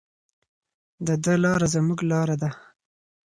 د ده لاره زموږ لاره ده.